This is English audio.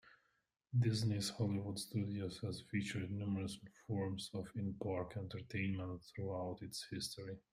Disney's Hollywood Studios has featured numerous forms of in-park entertainment throughout its history.